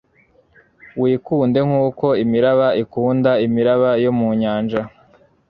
Wikunde nkuko imiraba ikunda imiraba yo mu nyanja